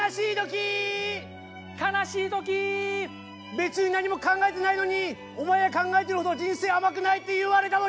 別に何も考えてないのにお前が考えてるほど人生甘くないって言われた時。